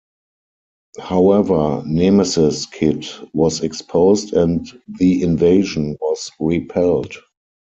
However, Nemesis Kid was exposed and the invasion was repelled.